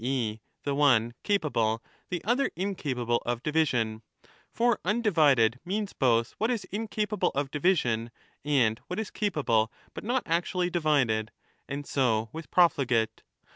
e. the one capable, the other incapable of division ; for undivided means both what is incapable of division, and what is capable but not actually divided ; and so with ' profligate